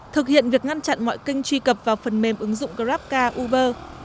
thực hiện việc ngăn chặn mọi kênh truy cập vào phần mềm ứng dụng grab car uber